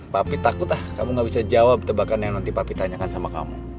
papi takut kamu gak bisa jawab tebakan yang nanti papi tanyakan sama kamu